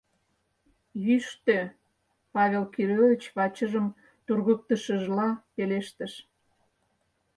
— Йӱштӧ, — Павел Кириллович вачыжым тургыктышыжла пелештыш.